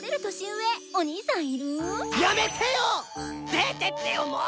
出てってよもう！